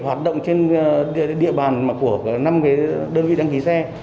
hoạt động trên địa bàn mà của năm đơn vị đăng ký xe